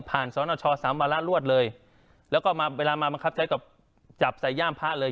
ผ่านทรนช๓วันละรวดเลยแล้วก็มาเวลามามันคับใช้กับจับสายย่ามพระเลย